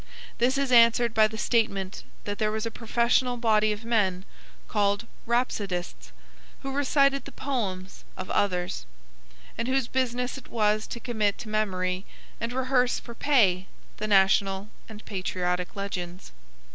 This is answered by the statement that there was a professional body of men, called Rhapsodists, who recited the poems of others, and whose business it was to commit to memory and rehearse for pay the national and patriotic legends.